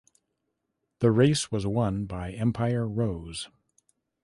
The race was won by Empire Rose.